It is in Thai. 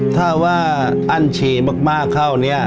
ถ้าว่าอนชิบมากเข้านี้